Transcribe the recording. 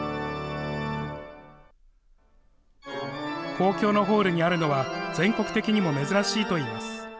公共のホールにあるのは全国的にも珍しいといいます。